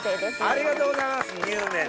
ありがとうございます！